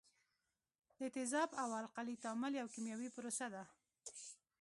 د تیزاب او القلي تعامل یو کیمیاوي پروسه ده.